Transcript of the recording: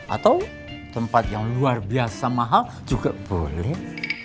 atau tempat yang luar biasa mahal juga boleh